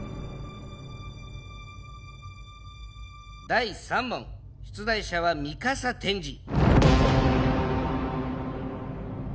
第３問出題者は美笠天智。